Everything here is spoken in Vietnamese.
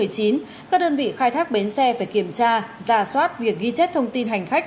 các đơn vị khai thác bến xe phải kiểm tra giả soát việc ghi chép thông tin hành khách